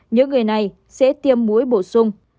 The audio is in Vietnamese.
những người này sẽ tiêm mũi bổ sung